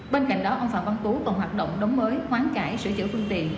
bên cạnh đó ông phạm văn tú còn hoạt động đóng mới hoán cải sửa chữa phương tiện